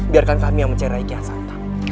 biarkan kami yang mencerai kian santang